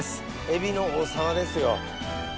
エビの王様ですよ。